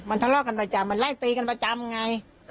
ทะเลาะกันประจำมันไล่ตีกันประจำไง